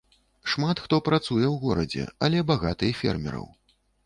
Шмат хто працуе ў горадзе, але багата і фермераў.